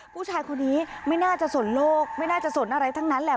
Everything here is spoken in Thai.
ผู้ชายคนนี้ไม่น่าจะสนโลกไม่น่าจะสนอะไรทั้งนั้นแหละ